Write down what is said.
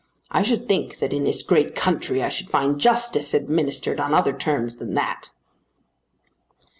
I should think that in this great country I should find justice administered on other terms than that."